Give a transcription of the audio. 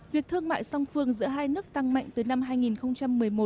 việc thương mại song phương giữa hai nước tăng mạnh từ năm hai nghìn một mươi một